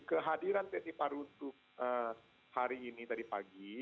kehadiran teti parutu hari ini tadi pagi